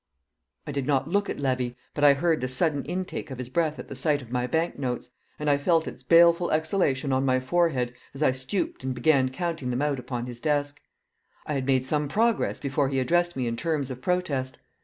I did not look at Levy, but I heard the sudden intake of his breath at the sight of my bank notes, and I felt its baleful exhalation on my forehead as I stooped and began counting them out upon his desk. I had made some progress before he addressed me in terms of protest.